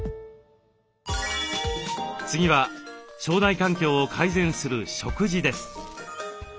次は腸内環境を改善する食事です。